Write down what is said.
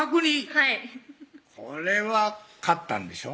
はいこれは買ったんでしょ？